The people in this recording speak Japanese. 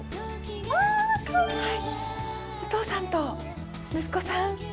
お父さんと息子さん。